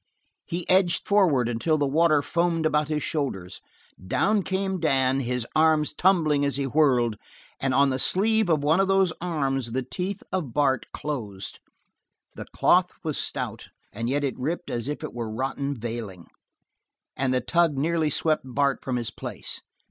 He edged forward until the water foamed about his shoulders. Down came Dan, his arms tumbling as he whirled, and on the sleeve of one of those arms the teeth of Bart closed. The cloth was stout, and yet it ripped as if it were rotten veiling, and the tug nearly swept Bart from his place.